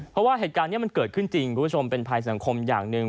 เพราะว่าเหตุการณ์นี้มันเกิดขึ้นจริงคุณผู้ชมเป็นภัยสังคมอย่างหนึ่ง